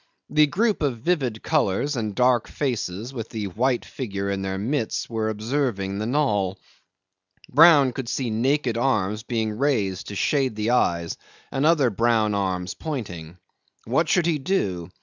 The group of vivid colours and dark faces with the white figure in their midst were observing the knoll. Brown could see naked arms being raised to shade the eyes and other brown arms pointing. What should he do?